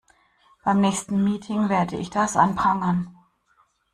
Beim nächsten Meeting werde ich das anprangern.